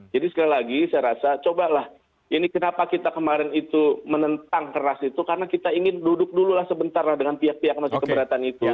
jadi sekali lagi saya rasa cobalah ini kenapa kita kemarin itu menentang keras itu karena kita ingin duduk dulu lah sebentar lah dengan pihak pihak masing masing keberatan itu